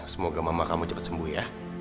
semoga mama kamu cepat sembuh ya